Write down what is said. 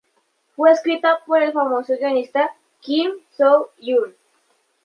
Fue escrita por el famoso guionista Kim Soo Hyun.